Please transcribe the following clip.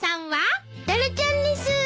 タラちゃんです。